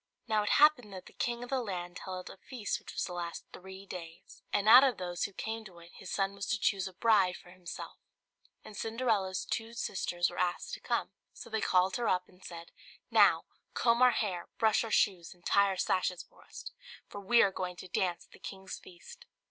Now it happened that the king of the land held a feast which was to last three days, and out of those who came to it his son was to choose a bride for himself; and Cinderella's two sisters were asked to come. So they called her up and said, "Now, comb our hair, brush our shoes, and tie our sashes for us, for we are going to dance at the king's feast."